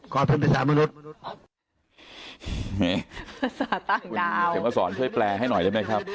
ขอเพื่อนภาษามนุษย์ภาษาต่างดาว